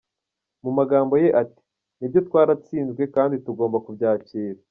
Mu magambo ye ati “Nibyo turatsinzwe kandi tugomba kubyakira.